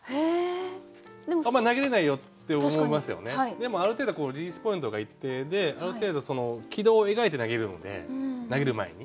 でもある程度リリースポイントが一定である程度軌道を描いて投げるので投げる前に。